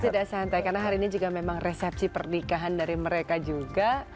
tidak santai karena hari ini juga memang resepsi pernikahan dari mereka juga